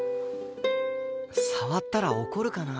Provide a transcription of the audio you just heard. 触ったら怒るかな？